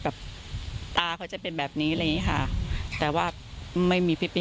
แบบตาเขาจะเป็นแบบนี้อะไรอย่างงี้ค่ะแต่ว่าไม่มีพี่ปี๊